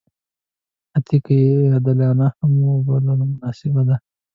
حتی که یې عادلانه هم وبولو نامناسبه ده.